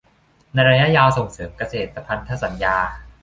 ในระยะยาวส่งเสริมเกษตรพันธสัญญา